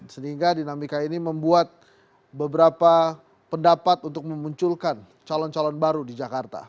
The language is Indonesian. sehingga dinamika ini membuat beberapa pendapat untuk memunculkan calon calon baru di jakarta